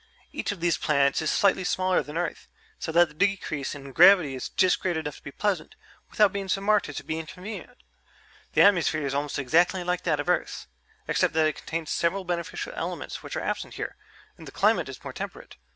Each of these planets is slightly smaller than Earth, so that the decrease in gravity is just great enough to be pleasant, without being so marked as to be inconvenient. The atmosphere is almost exactly like that of Earth's, except that it contains several beneficial elements which are absent here and the climate is more temperate.